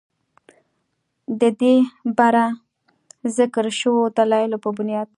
ددې بره ذکر شوو دلايلو پۀ بنياد